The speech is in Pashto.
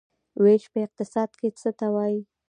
ویش په اقتصاد کې څه ته وايي؟